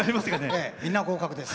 みんな合格です。